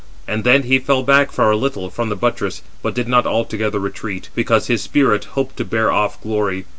And then he fell back for a little from the buttress, but did not altogether retreat, because his spirit hoped to bear off glory.